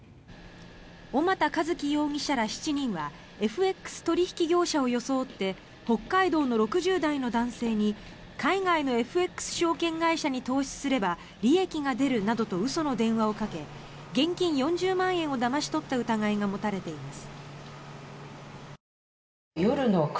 小俣一毅容疑者ら７人はＦＸ取引業者を装って北海道の６０代の男性に海外のＦＸ証券会社に投資すれば利益が出るなどと嘘の電話をかけ現金４０万円をだまし取った疑いが持たれています。